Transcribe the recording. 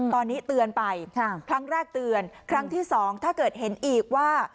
ตอนนี้เตือนไปครั้งแรกเตือนครั้งที่สองถ้าเกิดเห็นอีกว่า